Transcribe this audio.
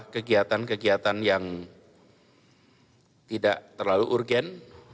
kegiatan kegiatan yang tidak terlalu urgen